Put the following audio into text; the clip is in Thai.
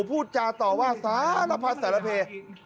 พูดจาต่อว่าสารพัดสารเพ